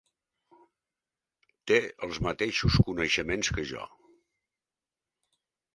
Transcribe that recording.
Té els mateixos coneixements que jo.